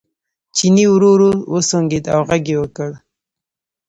چیني ورو ورو وسونګېد او غږ یې وکړ.